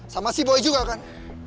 sama si boy juga kan